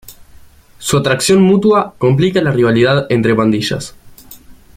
Su atracción mutua complica la rivalidad entre pandillas.